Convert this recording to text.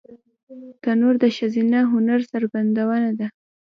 تنور د ښځینه هنر څرګندونه ده